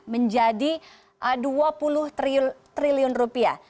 menjadi dua puluh triliun rupiah